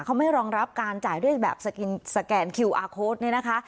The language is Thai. เขาไม่รองรับการจ่ายเรียกแบบสแกนคิวอาร์โค้ดเนี่ยนะคะ